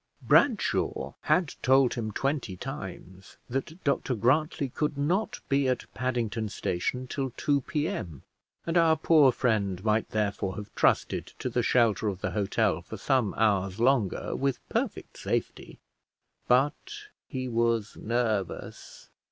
Bradshaw had told him twenty times that Dr Grantly could not be at Paddington station till 2 P.M., and our poor friend might therefore have trusted to the shelter of the hotel for some hours longer with perfect safety; but he was nervous.